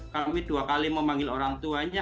kami dua kali memanggil orang tuanya